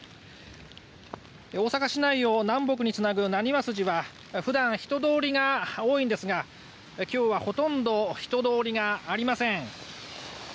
大阪市内を南北につなぐなにわ筋は普段、人通りが多いんですが今日はほとんど人通りがありません。